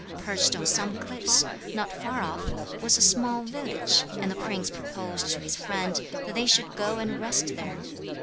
Perched on some cliffs, not far off, was a small village, and the prince proposed to his friend that they should go and rest there.